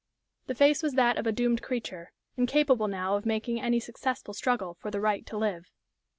The face was that of a doomed creature, incapable now of making any successful struggle for the right to live.